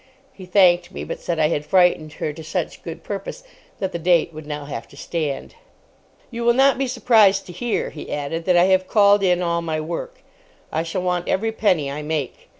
He thanked me, but said I had frightened her to such good purpose that the date would now have to stand. "You will not be surprised to hear," he added, "that I have called in all my work. I shall want every penny I make.